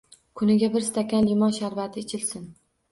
Kuniga bir stakan limon sharbati ichilsin.